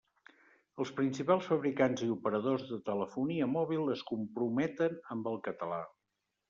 Els principals fabricants i operadors de telefonia mòbil es comprometen amb el català.